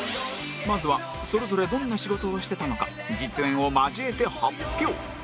まずはそれぞれどんな仕事をしてたのか実演を交えて発表